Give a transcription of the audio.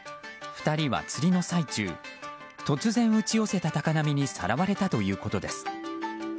２人は釣りの最中突然打ち寄せた高波にさらわれたということです。